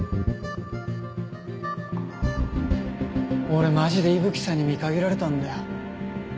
俺マジで伊吹さんに見限られたんだよ。